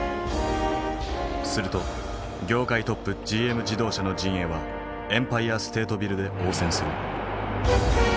すると業界トップＧＭ自動車の陣営はエンパイア・ステート・ビルで応戦する。